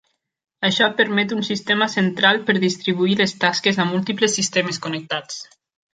Això permet un sistema central per distribuir les tasques a múltiples sistemes connectats.